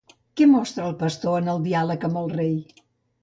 Què mostra el pastor en el diàleg amb el rei?